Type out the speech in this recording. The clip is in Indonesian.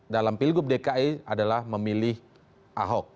dalam pilgub dki adalah memilih ahok